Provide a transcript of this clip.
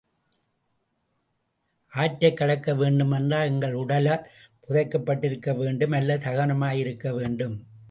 ஆற்றைக் கடக்க வேண்டுமென்றால் எங்கள் உடலம் புதைபட்டிருக்க வேண்டும் அல்லது தகனமாயிருக்க வேண்டும்.